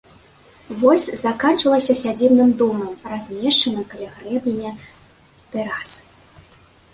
Вось заканчвалася сядзібным домам, размешчаным каля грэбеня тэрасы.